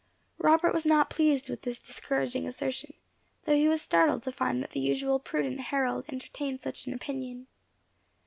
Robert was not pleased with this discouraging assertion, though he was startled to find that the usual prudent Harold entertained such an opinion.